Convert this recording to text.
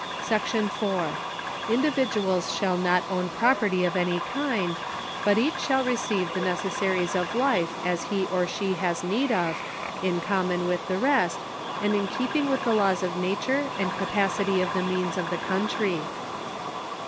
Section IV. Individuals shall not own property of any kind, but each shall receive the necessaries of life as he or she has need of, in common with the rest, and in keeping with the laws of nature and capacity of the means of the country.